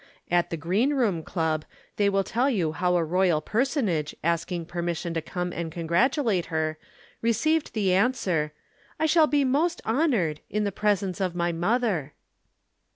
At the Green Room Club they will tell you how a royal personage asking permission to come and congratulate her, received the answer: "I shall be most honored in the presence of my mother."